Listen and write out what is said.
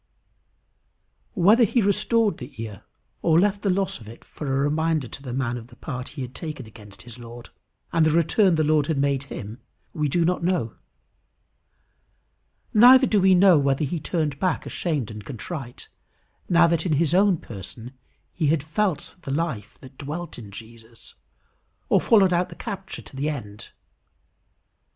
Whether he restored the ear, or left the loss of it for a reminder to the man of the part he had taken against his Lord, and the return the Lord had made him, we do not know. Neither do we know whether he turned back ashamed and contrite, now that in his own person he had felt the life that dwelt in Jesus, or followed out the capture to the end.